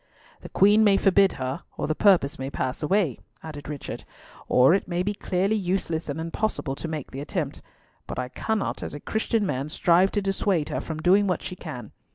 "The Queen may forbid her, or the purpose may pass away," added Richard, "or it may be clearly useless and impossible to make the attempt; but I cannot as a Christian man strive to dissuade her from doing what she can.